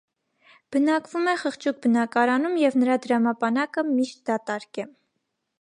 Բնակվում է խղճուկ բնակարանում և նրա դրամապանակը միշտ դատարկ է։